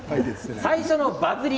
最初の大バズり